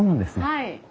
はい。